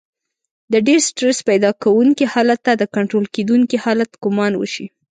د ډېر سټرس پيدا کوونکي حالت ته د کنټرول کېدونکي حالت ګمان وشي.